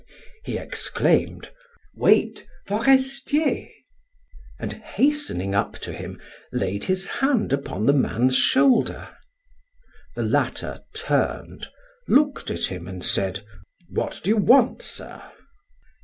He exclaimed: "Wait, Forestier!" and hastening up to him, laid his hand upon the man's shoulder. The latter turned, looked at him, and said: "What do you want, sir?"